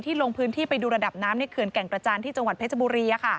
ลงพื้นที่ไปดูระดับน้ำในเขื่อนแก่งกระจานที่จังหวัดเพชรบุรี